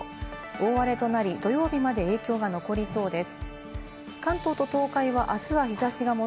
大荒れとなり、土曜日まで影響が残りそうです。